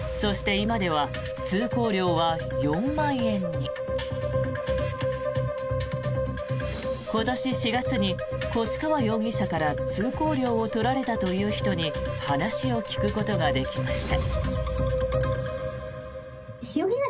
今年４月に越川容疑者から通行料を取られたという人に話を聞くことができました。